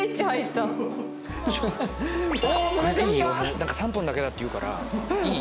なんか３分だけだっていうからいい？